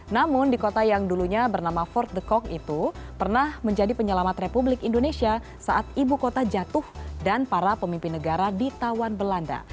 namun di kota yang dulunya bernama fort the cock itu pernah menjadi penyelamat republik indonesia saat ibu kota jatuh dan para pemimpin negara di tawan belanda